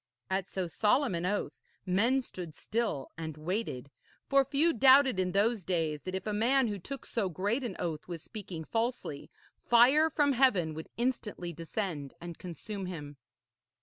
At so solemn an oath men stood still and waited, for few doubted in those days that if a man who took so great an oath was speaking falsely, fire from heaven would instantly descend and consume him.